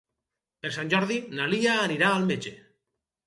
Per Sant Jordi na Lia anirà al metge.